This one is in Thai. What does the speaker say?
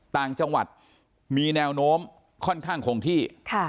ต่างจังหวัดมีแนวโน้มค่อนข้างคงที่